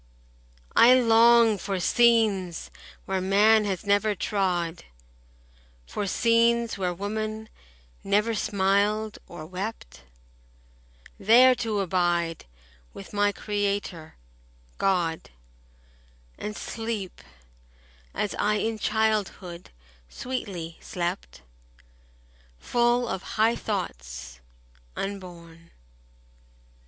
I long for scenes where man has never trod— For scenes where woman never smiled or wept— There to abide with my Creator, God, 15 And sleep as I in childhood sweetly slept, Full of high thoughts, unborn.